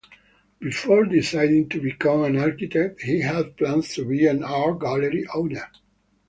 Before deciding to become an architect he had plans to be an art-gallery owner.